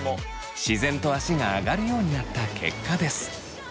自然と足が上がるようになった結果です。